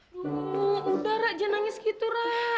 lho udah ra jangan nangis gitu ra